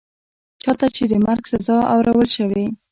چا ته چي د مرګ سزا اورول شوې